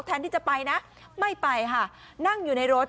แทนที่จะไปนะไม่ไปค่ะนั่งอยู่ในรถ